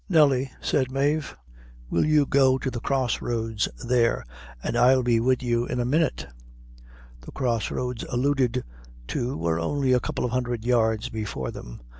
"Nelly," said Mave, "will you go on to the cross roads there, an' I'll be with you in a minute." The cross roads alluded to were only a couple of hundred yards before them.